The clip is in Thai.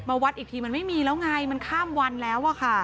วัดอีกทีมันไม่มีแล้วไงมันข้ามวันแล้วอะค่ะ